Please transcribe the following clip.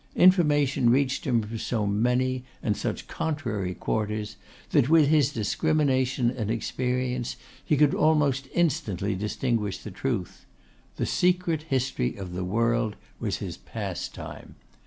Information reached him from so many, and such contrary quarters, that with his discrimination and experience, he could almost instantly distinguish the truth. The secret history of the world was his pastime.